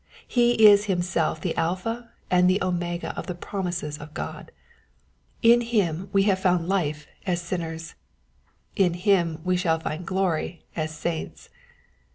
He is himself the Alpha and the Omega of the promises of God : in him we have found life as stnners, in him we shall find glory as saints.